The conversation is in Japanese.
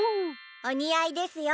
おにあいですよ